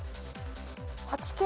８Ｋ？